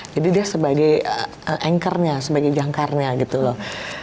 jadi dia sebagai anchor nya sebagai jangkarnya gitu loh